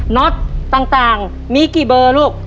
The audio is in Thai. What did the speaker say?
น็อตต่างมีกี่เบอร์ลูก